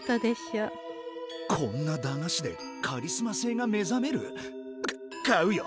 こんな駄菓子でカリスマ性が目覚める？か買うよ！